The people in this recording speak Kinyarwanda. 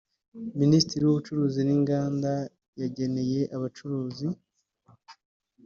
Minisiteri y’ubucuruzi n’inganda yageneye abacuruzi